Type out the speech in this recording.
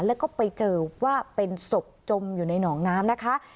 แล้วก็ไปเจอว่าเป็นศพจมอยู่ในหนองน้ำนะคะ